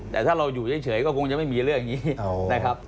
แต่ถ้าเราอยู่เฉยก็คงจะไม่มีเรื่องนี้นะครับ